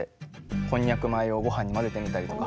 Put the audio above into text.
こんにゃく米をごはんに混ぜてみたりとか。